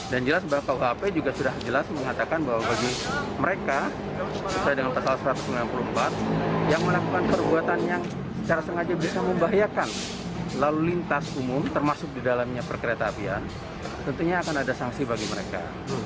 dan jelas bahwa kuhp juga sudah jelas mengatakan bahwa bagi mereka sesuai dengan pasal satu ratus sembilan puluh empat yang melakukan perbuatan yang secara sengaja bisa membahayakan lalu lintas umum termasuk di dalamnya perkereta apian tentunya akan ada sanksi bagi mereka